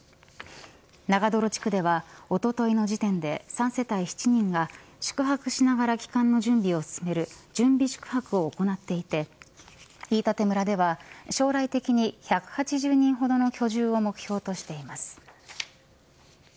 長泥地区では、おとといの時点で３世帯７人が宿泊しながら帰還の準備を進める準備宿泊を行っていて飯舘村では将来的に１８０人ほどの居住を目標としています。